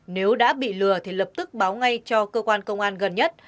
nếu đã bị lừa thì lập tức báo ngay cho cơ quan công an gần nhất